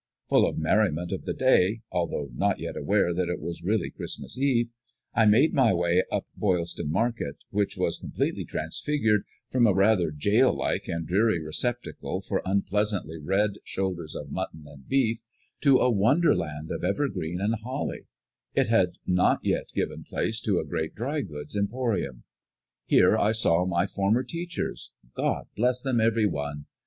Full of the merriment of the day, although not yet aware that it was really Christmas Eve, I made my way up to Boylston Market, which was completely transfigured from a rather jail like and dreary receptacle for unpleasantly red shoulders of mutton and beef, to a wonderland of evergreen and holly; it had not yet given place to a great dry goods emporium. Here I saw my former teachers God bless them, every one!